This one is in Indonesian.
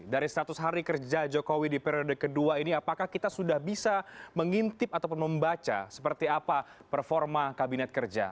dari seratus hari kerja jokowi di periode kedua ini apakah kita sudah bisa mengintip ataupun membaca seperti apa performa kabinet kerja